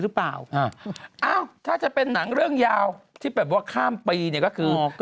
หรือเปล่าอ่าอ้าวถ้าจะเป็นหนังเรื่องยาวที่แบบว่าข้ามปีเนี่ยก็คือ